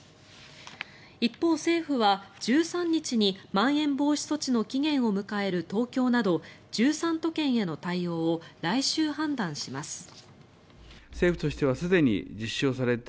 一方、政府は１３日にまん延防止措置の期限を迎える東京など１３都県への対応を来週、判断します。